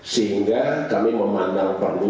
sehingga kami memandang kemudian